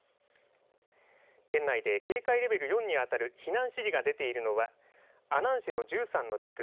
県内で警戒レベル４にあたる避難指示が出ているのは阿南市の１３の地区